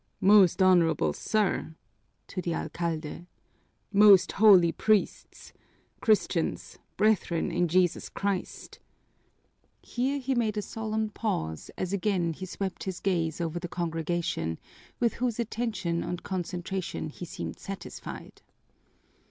"Most honorable sir" (to the alcalde), "most holy priests, Christians, brethren in Jesus Christ!" Here he made a solemn pause as again he swept his gaze over the congregation, with whose attention and concentration he seemed satisfied.